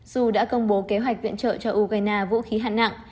dù đã công bố kế hoạch viện trợ cho ukraine vũ khí hạng nặng